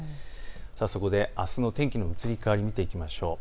そこであすの天気の移り変わり見ていきましょう。